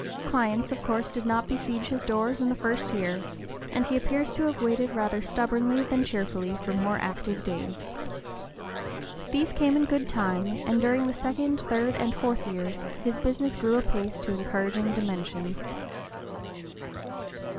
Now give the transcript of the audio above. Clients of course did not besiege his doors in the first year, and he appears to have waited rather stubbornly than cheerfully for more active days. These came in good time, and during the (p. 018) second, third, and fourth years, his business grew apace to encouraging dimensions.